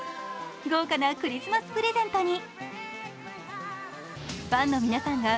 豪華なクリスマスプレゼントに。